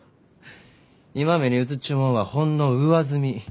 今目に映っちゅうもんはほんの上澄み。